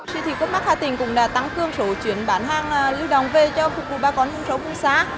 siêu thị copmark hà tĩnh cũng đã tăng cường số chuyến bán hàng lưu động về cho phục vụ bà con vùng sâu vùng xá